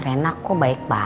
rena kau baik banget